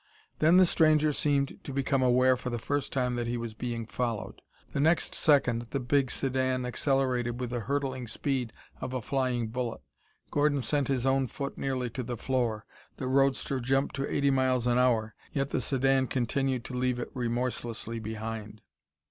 Then the stranger seemed to become aware for the first time that he was being followed. The next second the big sedan accelerated with the hurtling speed of a flying bullet. Gordon sent his own foot nearly to the floor. The roadster jumped to eighty miles an hour, yet the sedan continued to leave it remorselessly behind.